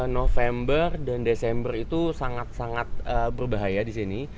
november dan desember itu sangat sangat berbahaya di sini